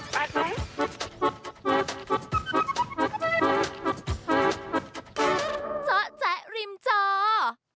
โปรดติดตามต่อไป